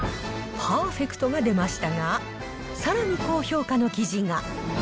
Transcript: パーフェクトが出ましたが、さらに高評価の生地が。